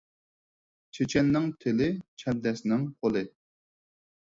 چېچەننىڭ تىلى ، چەبدەسنىڭ قولى